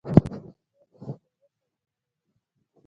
د خیر نیت د روح خوږوالی دی.